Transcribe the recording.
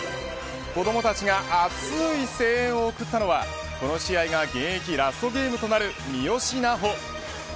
子どもたちが熱い声援を送ったのはこの試合が現役ラストゲームとなる三好南穂。